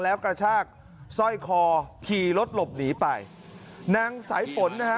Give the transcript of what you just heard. แล้วกระชากสร้อยคอขี่รถหลบหนีไปนางสายฝนนะฮะ